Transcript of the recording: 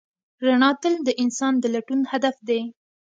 رڼا تل د انسان د لټون هدف دی.